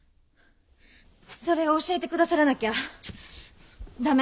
それを教えて下さらなきゃ駄目！